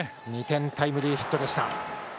２点タイムリーヒット。